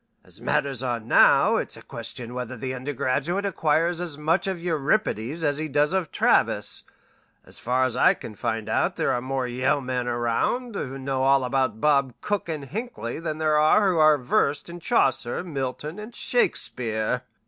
As matters are now, it's a question whether the undergraduate acquires as much of Euripides as he does of Travis, and as far as I can find out there are more Yale men around who know all about Bob Cook and Hinkey than there are who are versed in Chaucer, Milton, and Shakespeare."